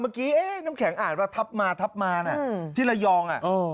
เมื่อกี้น้ำแข็งอ่านว่าทับมาทับมาที่ระยอง